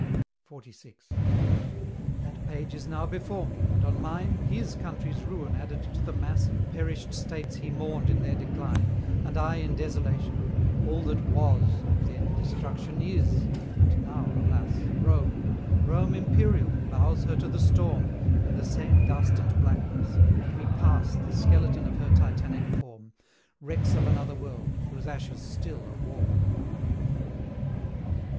XLVI. That page is now before me, and on mine HIS country's ruin added to the mass Of perished states he mourned in their decline, And I in desolation: all that WAS Of then destruction IS; and now, alas! Rome Rome imperial, bows her to the storm, In the same dust and blackness, and we pass The skeleton of her Titanic form, Wrecks of another world, whose ashes still are warm.